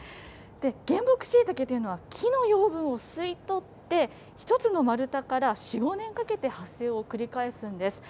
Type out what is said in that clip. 原木しいたけというのは、木の養分を吸い取って、１つの丸太から４、５年かけて発生を繰り返すんです。